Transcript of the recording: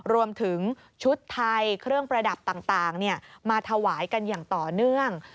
รวมถึงชุดไทยเครื่องประดับต่างมาถวายกันอย่างต่อเนื่อง